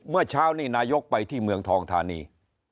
เมื่อเช้านี่นายกไปที่เมืองทองทานี